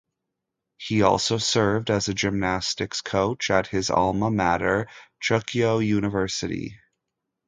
He also served as a gymnastics coach at his alma mater, Chukyo University.